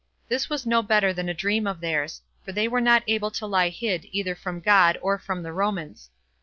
This was no better than a dream of theirs; for they were not able to lie hid either from God or from the Romans.